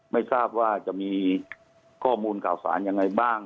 ไม่ทราบว่าจะมีข้อมูลข่าวสารยังไงบ้าง